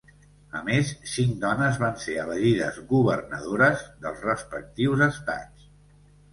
A més, cinc dones van ser elegides governadores dels respectius estats.